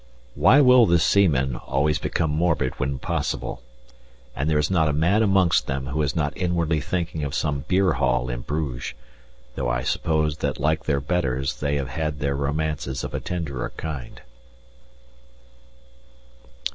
Why will the seamen always become morbid when possible? And there is not a man amongst them who is not inwardly thinking of some beer hall in Bruges, though I suppose that like their betters they have their romances of a tenderer kind.